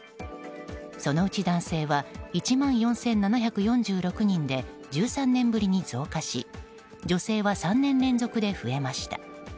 そのうち男性は１万４７４６人で１３年ぶりに増加し女性は３年連続で増えました。